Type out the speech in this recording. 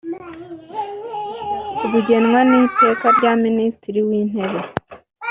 bugenwa n iteka rya minisitiri w intebe